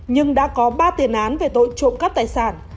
nhưng đã có ba tiền án về tội trộm cắp tài sản